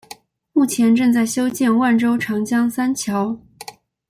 目前正在修建万州长江三桥。